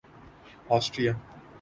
Austria